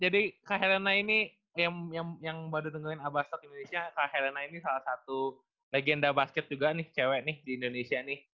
jadi kak helena ini yang baru ngedengerin abastok indonesia kak helena ini salah satu legenda basket juga nih cewek nih di indonesia nih